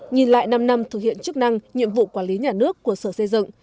nhìn lại năm năm thực hiện chức năng nhiệm vụ quản lý nhà nước của sở xây dựng